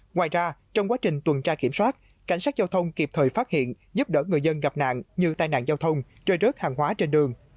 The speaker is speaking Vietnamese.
ngoài ra trong quá trình tuần tra kiểm soát cảnh sát giao thông kịp thời phát hiện giúp đỡ người dân gặp nạn như tai nạn giao thông rơi rớt hàng hóa trên đường